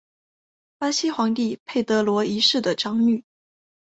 巴西皇帝佩德罗一世的长女。